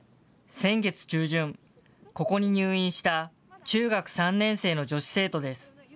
先月中旬、ここに入院した中学３年生の女子生徒です。